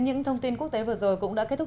những thông tin quốc tế vừa rồi cũng đã kết thúc